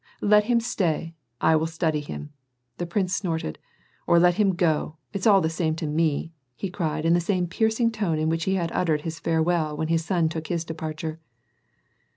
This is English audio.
Let him stay, I will study him." The prince snorted, "Or let him go, it's all the same to me," he cried, in the same piercing tone in which he had uttered his farewell when his son took his departure.